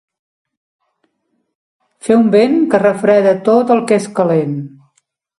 Fer un vent que refreda tot el que és calent.